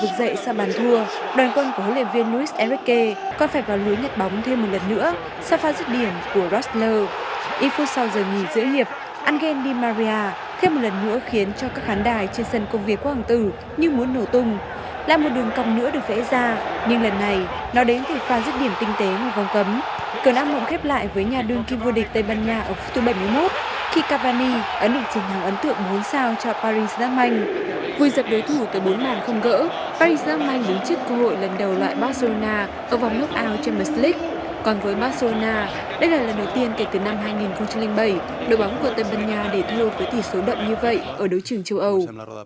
còn với barcelona đây là lần đầu tiên kể từ năm hai nghìn bảy đội bóng của tây ban nha để thua với tỷ số đậm như vậy ở đấu trường châu âu